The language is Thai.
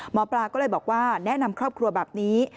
หมอปลาก็เลยบอกว่าแนะนำครอบครัวแบบนี้